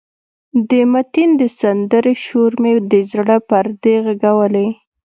د متین د سندرې شور مې د زړه پردې غږولې.